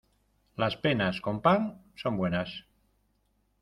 Las penas con pan son buenas.